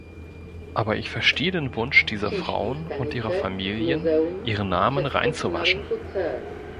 Aber ich verstehe den Wunsch dieser Frauen und ihrer Familien, ihre Namen reinzuwaschen.